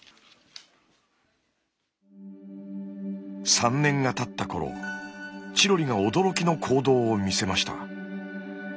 ３年がたった頃チロリが驚きの行動を見せました。